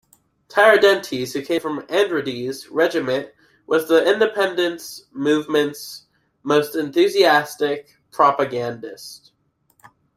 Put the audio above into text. Tiradentes, who came from Andrade's regiment, was the independence movement's most enthusiastic propagandist.